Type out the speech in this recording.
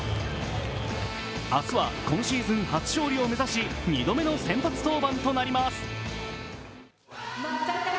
明日は今シーズン初勝利を目指し、２度目の先発登板となります。